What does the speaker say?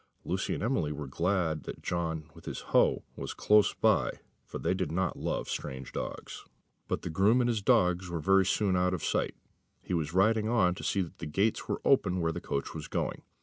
Lucy and Emily were glad that John, with his hoe, was close by, for they did not love strange dogs. But the groom and his dogs were very soon out of sight; he was riding on to see that the gates were open where the coach was going.